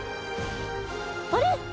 あれ？